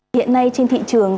hiện nay trên thị trường